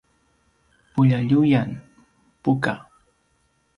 puljaljuyan: buka